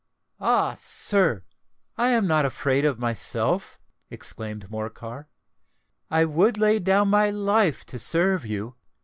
"Ah! sir—I am not afraid of myself," exclaimed Morcar: "I would lay down my life to serve you!